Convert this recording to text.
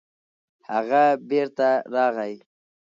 هغه بېرته راغی.